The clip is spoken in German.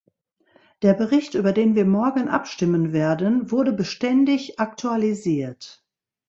Der Bericht, über den wir morgen abstimmen werden, wurde beständig aktualisiert.